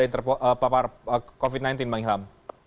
yang terpapar covid sembilan belas bang ilham